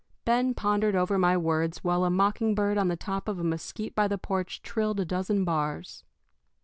Ben pondered over my words while a mocking bird on the top of a mesquite by the porch trilled a dozen bars.